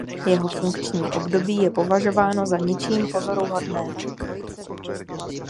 Jeho funkční období je považováno za ničím pozoruhodné.